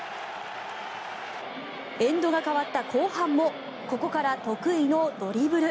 エンドが変わった後半もここから得意のドリブル。